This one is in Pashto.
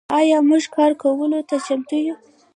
آیا موږ کار کولو ته چمتو یو؟